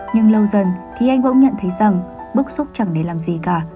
nhưng lâu dần thì anh cũng nhận thấy rằng bức xúc chẳng để làm gì cả